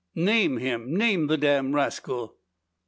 "Name him! Name the damned rascal!"